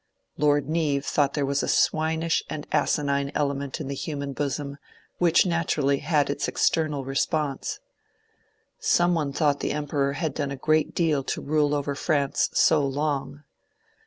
Lord Neave thought there was a swinish and asinine element in the human bosom which naturally had its external response. Some one thought the Emperor had done a great deal to rule over France so long.